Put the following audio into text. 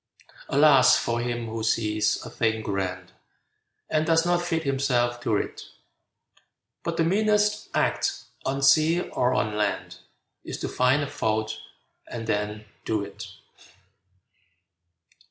Alas for him who sees a thing grand And does not fit himself to it! But the meanest act, on sea or on land, Is to find a fault, and then do it!